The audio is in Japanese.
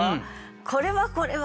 「これはこれは」